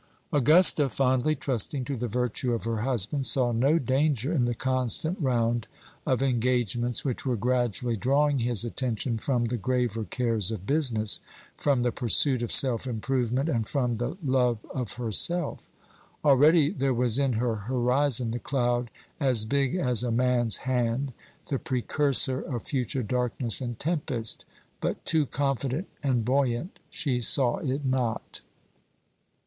Augusta, fondly trusting to the virtue of her husband, saw no danger in the constant round of engagements which were gradually drawing his attention from the graver cares of business, from the pursuit of self improvement, and from the love of herself. Already there was in her horizon the cloud "as big as a man's hand" the precursor of future darkness and tempest; but, too confident and buoyant, she saw it not.